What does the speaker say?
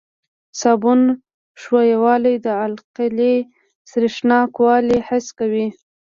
د صابون ښویوالی د القلي سریښناکوالی حس کوي.